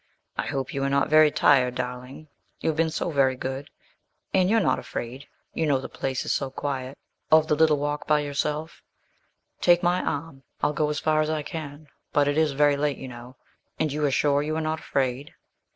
'I hope you are not very tired, darling; you've been so very good; and you're not afraid you know the place is so quiet of the little walk by yourself. Take my arm; I'll go as far as I can, but it is very late you know and you are sure you are not afraid?'